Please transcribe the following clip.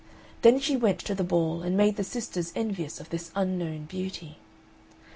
Then she went to the ball, and made the sisters envious of this unknown beauty.